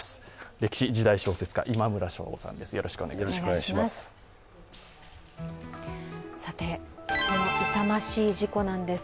歴史・時代小説家、今村翔吾さんです。